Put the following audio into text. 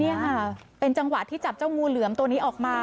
นี่ค่ะเป็นจังหวะที่จับเจ้างูเหลือมตัวนี้ออกมา